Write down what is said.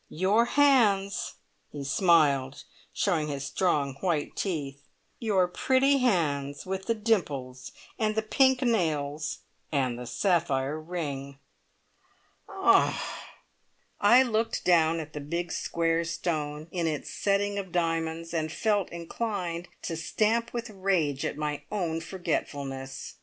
"Your hands!" He smiled, showing his strong, white teeth. "Your pretty hands, with the dimples, and the pink nails, and the sapphire ring!" "Ah!" I looked down at the big square stone in its setting of diamonds, and felt inclined to stamp with rage at my own forgetfulness.